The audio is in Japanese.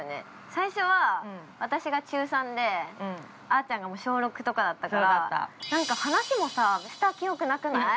最初は、私が中３であーちゃんが小６とかだったから話もした記憶なくない？